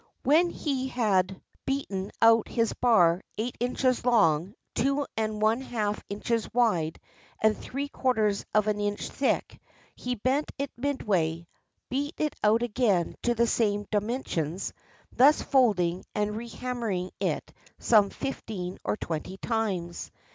When he had 379 JAPAN beaten out his bar eight inches long, two and one half inches wide, and three quarters of an inch thick, he bent it midway, beat it out again to the same dimensions, thus folding and rehammering it some fifteen or twenty times.